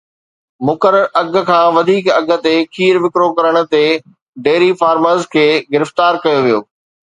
مقرر اگهه کان وڌيڪ اگهه تي کير وڪرو ڪرڻ تي ڊيري فارمرز کي گرفتار ڪيو ويو